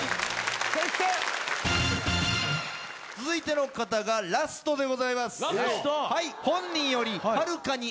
続いての方がラストでございます。